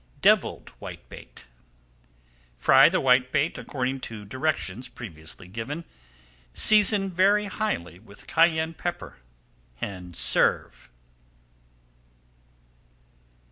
DEVILLED WHITEBAIT Fry the whitebait according to directions previously given, season very highly with cayenne pepper, and serve.